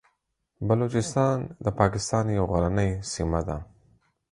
بلوچستان د پاکستان یوه غرنۍ سیمه ده.